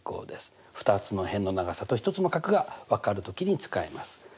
２つの辺の長さと１つの角が分かるときに使います。